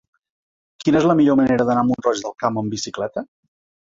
Quina és la millor manera d'anar a Mont-roig del Camp amb bicicleta?